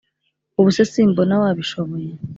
ubu se simbona wabishoboye